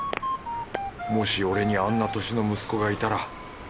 もし俺にあんな歳の息子がいたら。